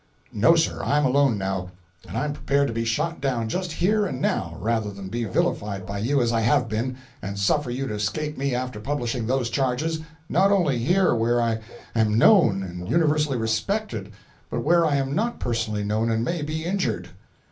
No, sir. I'm alone now, and I'm prepared to be shot down just here and now rather than be villified by you as I have been, and suffer you to escape me after publishing those charges, not only here where I am known and universally respected, but where I am not personally known and may be injured."